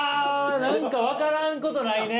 何か分からんことないね！